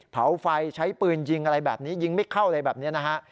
เผาไฟใช้ปืนยิงอะไรแบบนี้ยิงไม่เข้าอะไรแบบนี้นะฮะ